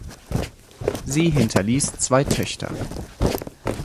Sie hinterließ zwei Töchter.